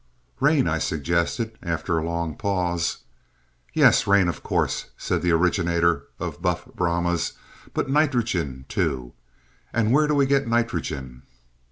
"Rain," I suggested, after a long pause. "Yes, rain, of course," said the originator of Buff Brahmas, "but nitrogen, too. And where do we get nitrogen?"